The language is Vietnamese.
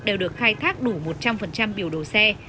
đều được khai thác đủ một trăm linh biểu đồ xe